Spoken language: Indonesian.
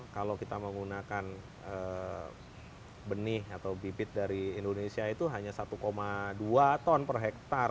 kalau kita menggunakan benih atau bibit dari indonesia itu hanya satu dua ton per hektare